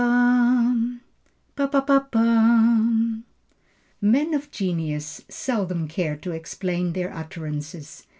] Men of genius seldom care to explain their utterances.